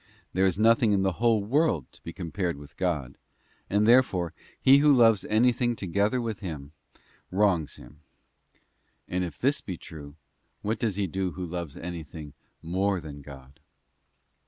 There is nothing in the whole world to be compared with God; and, therefore, he who loves anything together with Him, wrongs Him. And if this be true, what does he do who loves anything more than God